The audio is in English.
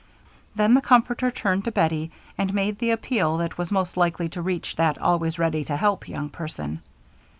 Then the comforter turned to Bettie, and made the appeal that was most likely to reach that always ready to help young person.